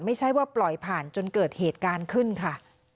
ไม่ใช่ว่าปล่อยผ่านจนเกิดเหตุการณ์ขึ้นค่ะ